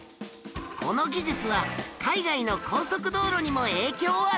この技術は海外の高速道路にも影響を与えているんです